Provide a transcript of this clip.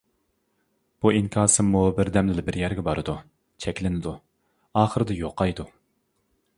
بۇ ئىنكاسىممۇ بىردەمدىلا بىر يەرگە بارىدۇ، چەكلىنىدۇ، ئاخىرىدا يوقايدۇ.